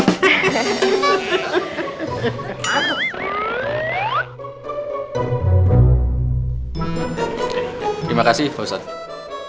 terima kasih pak ustadz